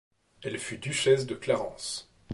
Elle fut duchesse de Clarence.